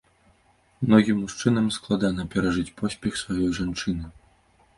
Многім мужчынам складана перажыць поспех сваёй жанчыны.